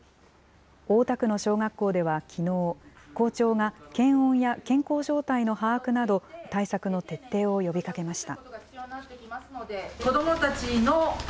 大田区の小学校ではきのう、校長が検温や健康状態の把握など、対策の徹底を呼びかけました。